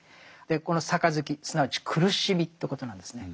「この杯」すなわち苦しみということなんですね。